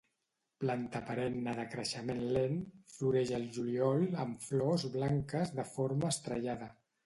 Planta perenne de creixement lent, floreix al juliol amb flors blanques de forma estrellada.